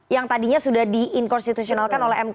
yang tadinya sudah diinkonstitusionalkan oleh mk